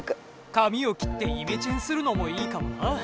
かみを切ってイメチェンするのもいいかもな。